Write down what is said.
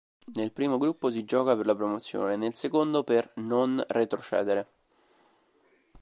Nel primo gruppo si gioca per la promozione, nel secondo per non retrocedere.